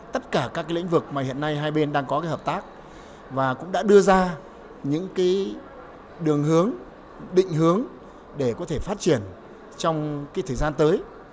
tất cả các lĩnh vực mà hiện nay hai bên đang có hợp tác và cũng đã đưa ra những đường hướng định hướng để có thể phát triển trong thời gian tới